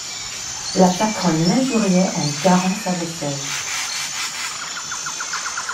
La patronne l'injuriait, en garant sa vaisselle.